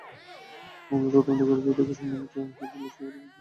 মামলার তদন্ত করেন দুদকের সমন্বিত জেলা কার্যালয়ের সহকারী পরিচালক আবুল হাশেম কাজী।